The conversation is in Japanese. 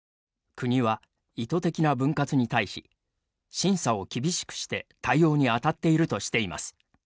国は意図的な分割に対し審査を厳しくして対応に当たっているとしています。